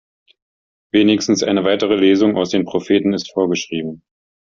Wenigstens eine weitere Lesung aus den Propheten ist vorgeschrieben.